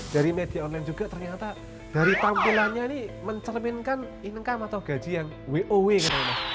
dari media online juga ternyata dari tampilannya ini mencerminkan income atau gaji yang wowing